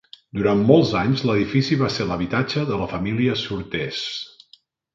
Durant molts anys l'edifici va ser l'habitatge de la família Surtees.